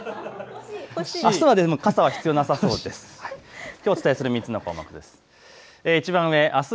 あしたは傘は必要なさそうです。